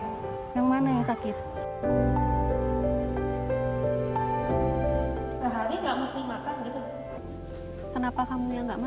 sehari enggak mesti makan gitu kenapa kamu yang enggak makan